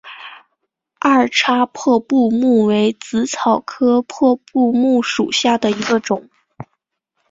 二叉破布木为紫草科破布木属下的一个种。